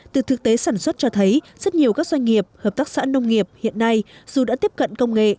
từ thực tế sản xuất cho thấy rất nhiều các doanh nghiệp hợp tác xã nông nghiệp hiện nay dù đã tiếp cận công nghệ